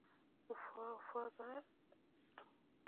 د تجزیې او تحلیل لپاره ښه دی.